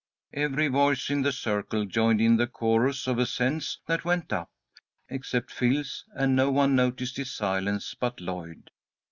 Every voice in the circle joined in the chorus of assents that went up, except Phil's, and no one noticed his silence but Lloyd.